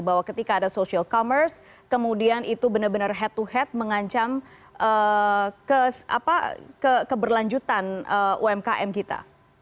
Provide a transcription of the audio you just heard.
bahwa ketika ada social commerce kemudian itu benar benar head to head mengancam keberlanjutan umkm kita